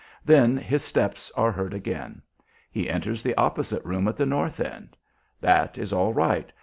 Then his steps are heard again. He enters the opposite room at the north end. That is all right!